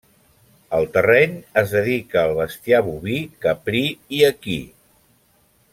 El terreny es dedica al bestiar boví, caprí i equí.